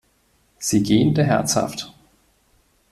Sie gähnte herzhaft.